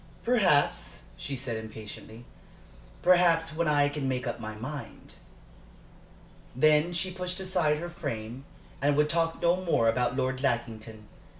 "Perhaps," she said, impatiently. "Perhaps, when I can make up my mind." Then she pushed aside her frame and would talk no more about Lord Lackington.